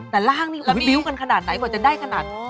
แต่ร่างนี้อุ๊ยบิ๊วกันขนาดไหนเหมือนจะได้ขนาด